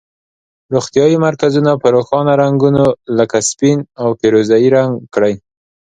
روغتیایي مرکزونه په روښانه رنګونو لکه سپین او پیروزه یي رنګ کړئ.